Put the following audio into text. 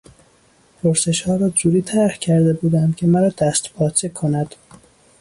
پرسشها را جوری طرح کرده بودند که مرا دستپاچه کند.